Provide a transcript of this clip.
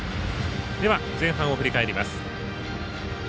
では前半を振り返ります。